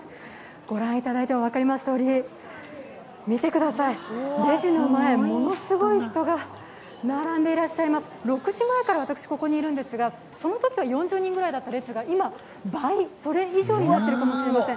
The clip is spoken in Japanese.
ご覧いただいても分かりますとおり、見てください、レジの前、ものすごい人が並んでいらっしゃいます、６時前からここにいるんですが、そのときは４０人くらいだったんですが今、倍、それ以上になっているかもしれません。